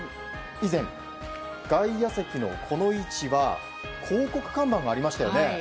以前、外野席のこの位置は広告看板がありましたよね。